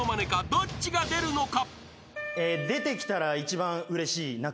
［どっちが出るのか？］